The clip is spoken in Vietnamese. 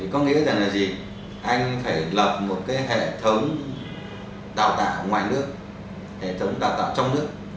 có nghĩa rằng là gì anh phải lập một hệ thống đào tạo ngoài nước hệ thống đào tạo trong nước